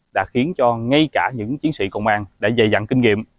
đã khiến cho ngay cả những chiến sĩ công an đã dày dặn kinh nghiệm